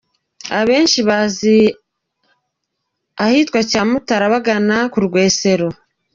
Abenshi bazi ahitwa Cyamutara bagana ku Rwesero.